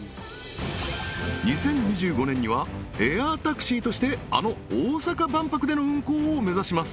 ２０２５年にはエアタクシーとしてあの大阪万博での運航を目指します